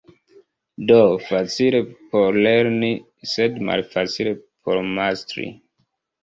Do, facile por lerni, sed malfacile por mastri.